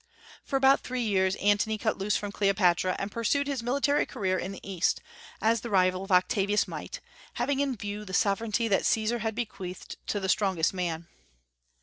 For about three years Antony cut loose from Cleopatra, and pursued his military career in the East, as the rival of Octavius might, having in view the sovereignty that Caesar had bequeathed to the strongest man.